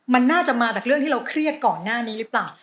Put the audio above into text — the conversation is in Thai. มันน่าจะมาจากเรื่องที่เราเครียดก่อนหน้านี้หรือเปล่า